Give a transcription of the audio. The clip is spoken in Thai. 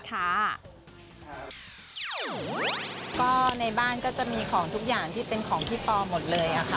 ก็ในบ้านก็จะมีของทุกอย่างที่เป็นของพี่ปอหมดเลย